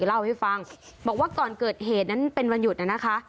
เล่าให้ฟังบอกว่าก่อนเกิดเหตุนั้นเป็นวันหยุดนะคะ